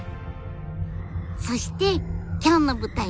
そして今日の舞台